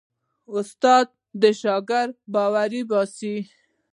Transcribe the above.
استاد د شاګرد باور باسي.